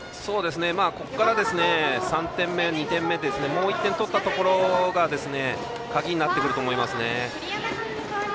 ここから、３点目、２点目もう１点取ったところが鍵になってくると思います。